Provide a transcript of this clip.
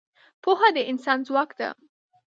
پوهه د انسان ځواک ده.